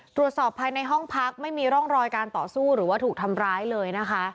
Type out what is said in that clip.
ตรวจสอบภายในห้องพักไม่มีร่องรอยการต่อสู้หรือว่าถูกทำร้ายเลยนะคะ